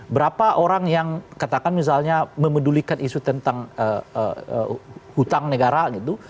berapa orang yang katakan misalnya memedulikan isu tentang hutang negara gitu